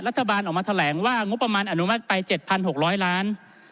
รัฐบาลออกมาแถลงว่างบประมาณอนุมัติไป๗๖๐๐ล้าน